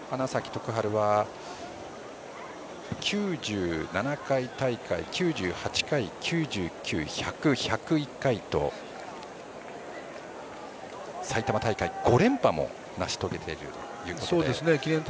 しかも花咲徳栄は９７回大会９８回、９９回、１００回１０１回と埼玉大会５連覇も成し遂げています。